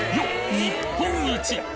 日本一！